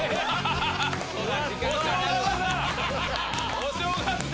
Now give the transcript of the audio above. お正月だ！